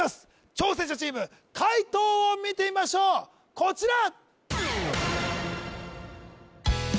挑戦者チーム解答を見てみましょうこちら！